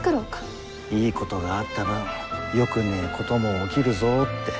いいことがあった分よくねえことも起きるぞって。